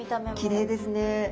きれいですね。